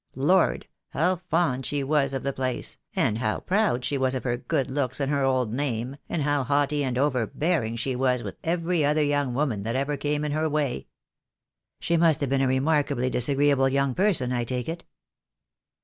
Lord! how fond she was of the place, and how proud she was of her good looks and her old name, and how haughty and overbearing she was with every other young woman that ever came in her way." "She must have been a remarkably disagreeable young person, I take it."